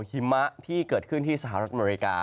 หิมะที่เกิดขึ้นที่สหรัฐอเมริกา